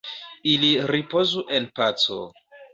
Ili ripozu en paco.